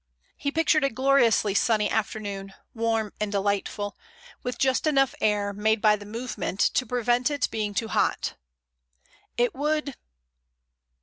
He pictured a gloriously sunny afternoon, warm and delightful, with just enough air made by the movement to prevent it being too hot. It would...